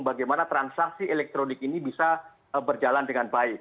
bagaimana transaksi elektronik ini bisa berjalan dengan baik